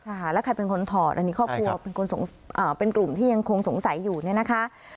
ค่ะแล้วใครเป็นคนถอดอันนี้ครอบครัวเป็นคนเป็นกลุ่มที่ยังคงสงสัยอยู่เนี่ยนะคะ